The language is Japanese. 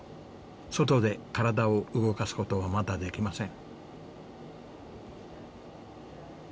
外で体を動かす事はまだできません。